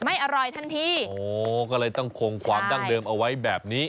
ไม่อร่อยทันทีโอ้ก็เลยต้องคงความดั้งเดิมเอาไว้แบบนี้